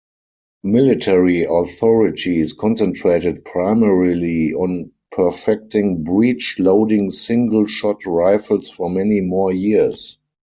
Military authorities concentrated primarily on perfecting breech-loading single shot rifles for many more years.